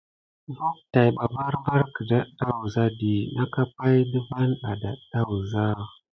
Vo täbana ɓarbar ke ɗeɗa wuza dit nekua pay ɗe van à ɗaɗa wuza.